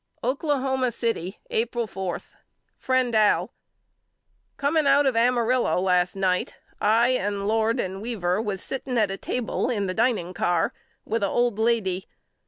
Oklahoma City, April 4. FRIEND AL: Coming out of Amarillo last night I and Lord and Weaver was sitting at a table in the dining car with a old lady.